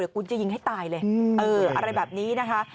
เดี๋ยวกูจะยิงให้ตายเลยอะไรแบบนี้นะคะ